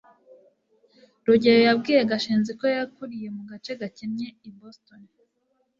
rugeyo yabwiye gashinzi ko yakuriye mu gace gakennye i boston